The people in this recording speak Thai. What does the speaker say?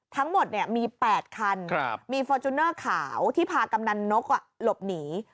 ทั้งหมดมี๘คันมีฟอร์จูเนอร์ขาวที่พากำนันนกหลบหนี